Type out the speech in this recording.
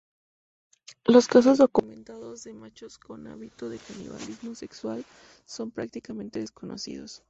Los casos documentados de machos con hábito de canibalismo sexual son prácticamente desconocidos.